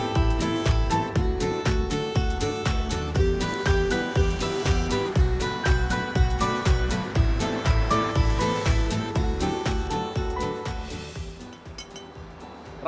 setelah sekitar freeman otak semakin expecter